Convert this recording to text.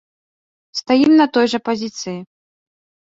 Стаім на той жа пазіцыі.